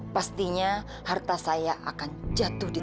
pastinya harta saya akan jatuh di